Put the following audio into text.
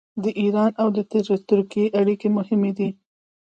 د ایران او ترکیې اړیکې مهمې دي.